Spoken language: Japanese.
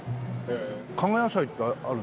加賀野菜ってあるの？